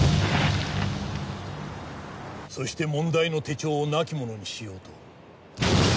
そして問題の手帳をなきものにしようと。